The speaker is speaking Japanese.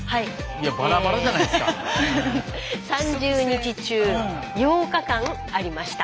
３０日中８日間ありました。